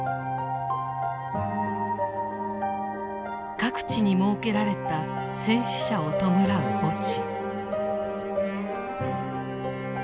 各地に設けられた戦死者を弔う墓地。